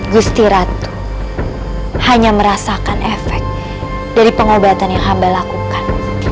gusti ratu hanya merasakan efek dari pengobatan yang hamba lakukan